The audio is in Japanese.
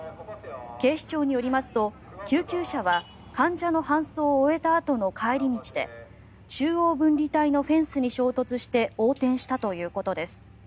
警視庁によりますと救急車は患者の搬送を終えたあとの帰り道で中央分離帯のフェンスに衝突して横転したということです。